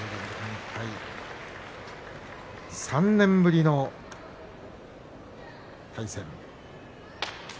３年ぶりの対戦。